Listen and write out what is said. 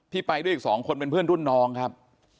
ไปด้วยอีก๒คนเป็นเพื่อนรุ่นน้องครับ